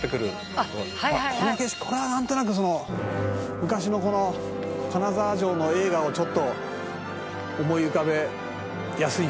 この景色これはなんとなく昔の金沢城の栄華をちょっと思い浮かべやすいんじゃないですか？